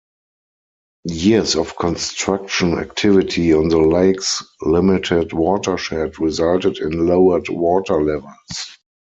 Years of construction activity on the lake's limited watershed resulted in lowered water levels.